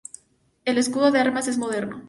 El escudo de armas es moderno.